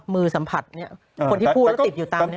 มือสัมผัสคนที่พูดแล้วติดอยู่ตามนี้